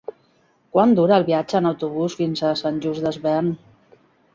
Quant dura el viatge en autobús fins a Sant Just Desvern?